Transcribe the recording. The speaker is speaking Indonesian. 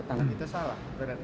ada kan itu salah